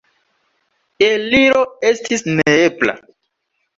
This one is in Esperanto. Eliro estis neebla.